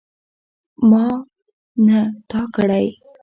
ما نه تا کړی.